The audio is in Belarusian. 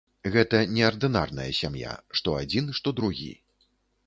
Гэта неардынарная сям'я, што адзін, што другі.